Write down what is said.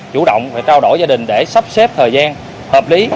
chủ động trao đổi gia đình để sắp xếp thời gian hợp lý